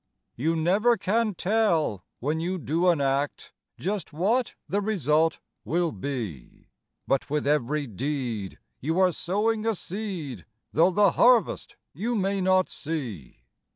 You never can tell when you do an act Just what the result will be; But with every deed you are sowing a seed, Though the harvest you may not see.